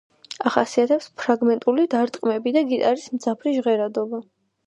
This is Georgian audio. ახასიათებს ფრაგმენტული დარტყმები და გიტარის მძაფრი ჟღერადობა.